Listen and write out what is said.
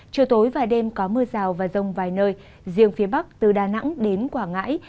chiều tối và đêm có mưa rào và rông vài nơi riêng phía bắc từ đà nẵng đến quảng ngãi